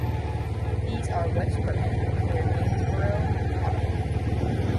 These are West Burton, near Gainsborough and Cottam.